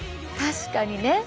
確かにね。